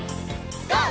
ＧＯ！